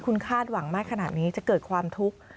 คุณคาดหวังมากขนาดนี้จะเกิดความทุกข์